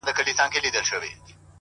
دا شی په گلونو کي راونغاړه-